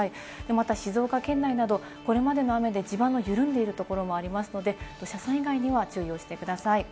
また静岡県内など、これまでの雨で地盤の緩んでいるところもありますので、土砂災害には注意をしてください。